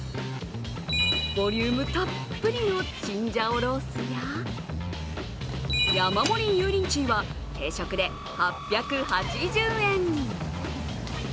ボリュームたっぷりのチンジャオロースーや山盛りユーリンチーは定食で８８０円。